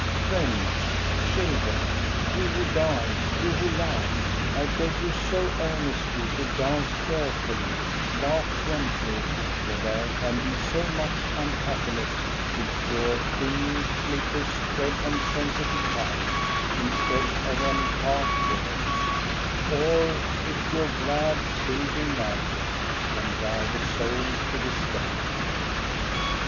Friends, 'children, you who dance, you who laugh ! I beg you so earnestly to dance carefully, laugh gently, for there can be so much unhappiness if your thin slippers tread on sensitive hearts instead of on hard boards ; arfd your glad, silvery laughter can drive a soul to despair.